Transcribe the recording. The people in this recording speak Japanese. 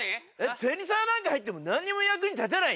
「テニサーなんて入っても何にも役に立たない」